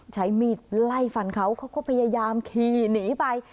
ใช้มีดไล่ฟันเขาเขาก็พยายามขี่หนีไป